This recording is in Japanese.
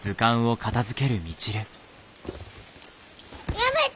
やめて！